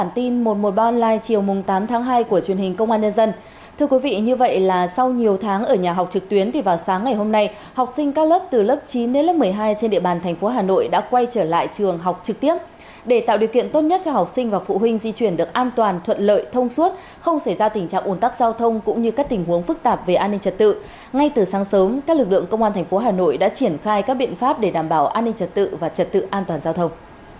từ sáng sớm các lực lượng công an thành phố hà nội đã triển khai các biện pháp để đảm bảo an ninh trật tự và trật tự an toàn giao thông